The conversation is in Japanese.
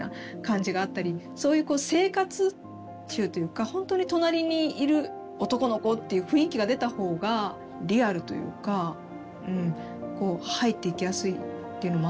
そういうこう生活臭というかほんとに隣にいる男の子っていう雰囲気が出た方がリアルというかこう入っていきやすいっていうのもあったのかな。